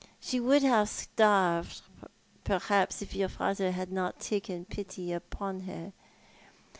She would have starved perhaps if your father had not taken pity upon her.